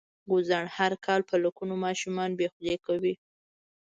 ګوزڼ هر کال په لکونو ماشومان بې خولې کوي.